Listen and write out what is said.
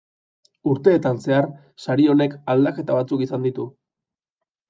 Urteetan zehar sari honek aldaketa batzuk izan ditu.